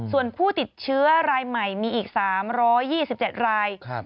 ส่วนผู้ติดเชื้อรายใหม่มีอีก๓๒๗ราย